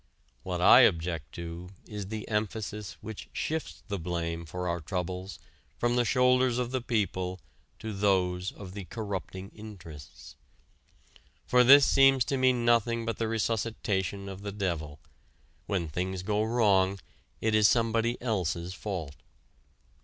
What I object to is the emphasis which shifts the blame for our troubles from the shoulders of the people to those of the "corrupting interests." For this seems to me nothing but the resuscitation of the devil: when things go wrong it is somebody else's fault.